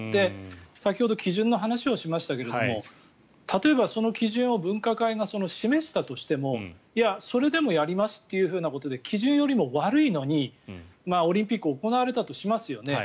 先ほど基準の話をしましたけど例えば、その基準を分科会が示したとしてもいや、それでもやりますっていうことで基準よりも悪いのにオリンピックが行われたとしますよね。